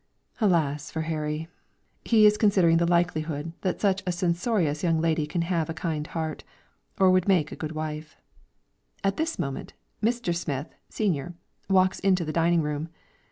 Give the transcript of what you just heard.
Alas for Harry! he is considering the likelihood that such a censorious young lady can have a kind heart or would make a good wife. At this moment, Mr. Smith, Senior, walks into the dining room.